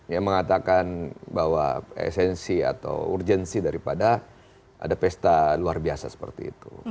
yang mengatakan bahwa esensi atau urgensi daripada ada pesta luar biasa seperti itu